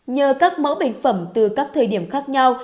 nhờ các mẫu bệnh phẩm từ các thời điểm khác nhau